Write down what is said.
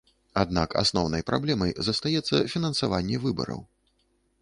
Аднак асноўнай праблемай застаецца фінансаванне выбараў.